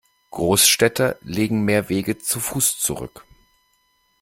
Großstädter legen mehr Wege zu Fuß zurück.